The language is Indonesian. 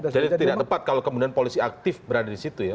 jadi itu tidak tepat kalau kemudian polisi aktif berada di situ ya